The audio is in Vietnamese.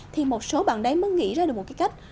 thì một số bạn đấy mới nghĩ ra được một cái cách